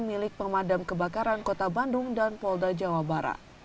milik pemadam kebakaran kota bandung dan polda jawa barat